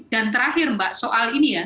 terakhir mbak soal ini ya